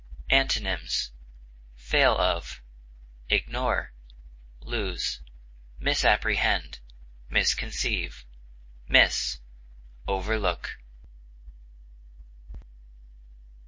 Antonyms: fail of, ignore, lose, misapprehend, misconceive, miss, overlook.